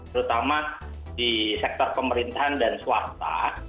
terutama di sektor pemerintahan dan swasta